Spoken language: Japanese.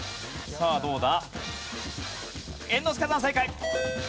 さあどうだ？